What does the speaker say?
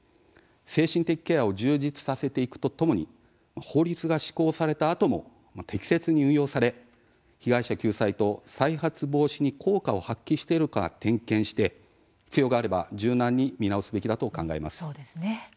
精神的ケアを充実させていくとともに法律が施行されたあとも適切に運用され被害者救済と再発防止に効果を発揮しているか点検して必要があれば柔軟に見直すべきだと考えます。